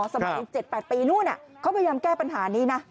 สมัย๗๘ปีนู้นเขาพยายามแก้ปัญหานี้นะ